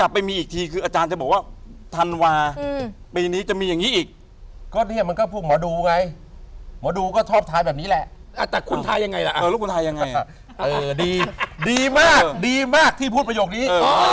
ลูกคุณทายยังไงล่ะเออดีดีมากดีมากที่พูดประโยคนี้